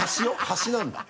端なんだ。